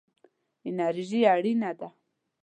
انرژي اړینه ده.